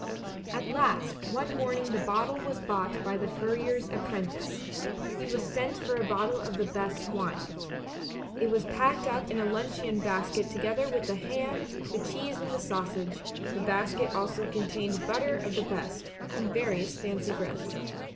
At last one morning the bottle was bought by the furrier's apprentice; he was sent for a bottle of the best wine. It was packed up in the luncheon basket together with the ham, the cheese and the sausage ; the basket also contained butter of the best, and various fancy breads.